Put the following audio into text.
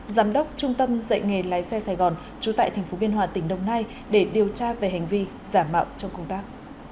giám đốc trung tâm dạy nghề lái xe sài gòn trú tại tp biên hòa tỉnh đồng nai để điều tra về hành vi giả mạo trong công tác